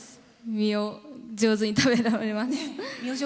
身を上手に食べます。